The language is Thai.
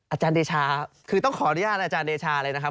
อาจารย์เดชาคือต้องขออนุญาตอาจารย์เดชาเลยนะครับ